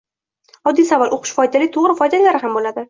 Oddiy savol. Oʻqish foydali, toʻgʻri foydalilari ham boʻladi.